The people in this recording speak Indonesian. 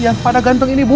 yang pada ganteng ini bu